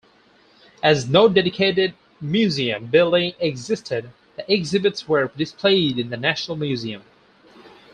As no dedicated museum building existed, the exhibits were displayed in the National Museum.